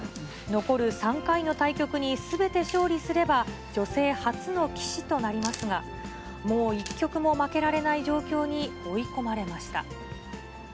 残る３回の対局にすべて勝利すれば、女性初の棋士となりますが、もう一局も負けられない状況に追い込まれました。